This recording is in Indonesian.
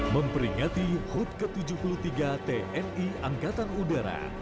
memperingati hut ke tujuh puluh tiga tni angkatan udara